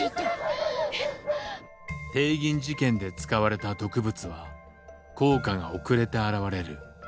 帝銀事件で使われた毒物は効果が遅れて現れる。